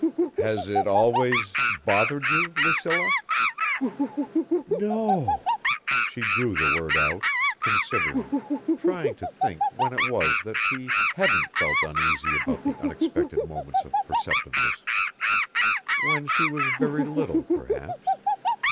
"Has it always ... bothered you, Lucilla?" "No o o o." She drew the word out, considering, trying to think when it was that she hadn't felt uneasy about the unexpected moments of perceptiveness. When she was very little, perhaps.